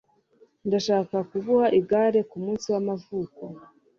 Ndashaka kuguha igare kumunsi wamavuko.